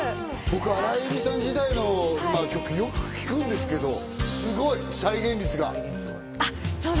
僕、荒井由実さん時代の曲をよく聴くんですけど、すごい！再現率が。